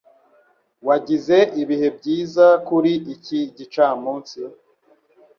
Wagize ibihe byiza kuri iki gicamunsi?